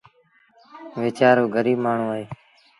ويچآرو گريٚب مآڻهوٚٚݩ اهي۔